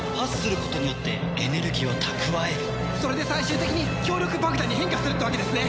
それで最終的に強力爆弾に変化するってわけですね。